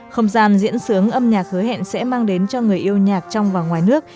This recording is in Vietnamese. không gian diễn sướng âm nhạc hứa hẹn sẽ mang đến cho người yêu nhạc trong và ngoài nước